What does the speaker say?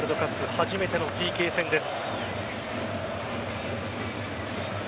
初めてのＰＫ戦です。